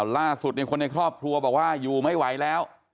ล่าสุดคนในครอบครัวบอกว่าอยู่ไม่ไหวแล้ว